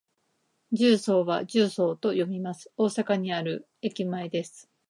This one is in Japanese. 十三は「じゅうそう」と読みます。大阪にある駅前です。